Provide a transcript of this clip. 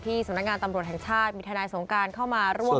ที่สำนักงานตำรวจแห่งชาติวิทยาลัยสงการเข้ามาร่วมด้วย